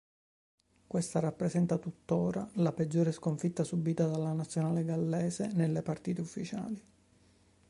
Questa rappresenta tuttora la peggiore sconfitta subita dalla nazionale gallese nelle partite ufficiali.